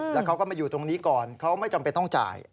แล้วเขาก็มาอยู่ตรงนี้ก่อนเขาไม่จำเป็นต้องจ่าย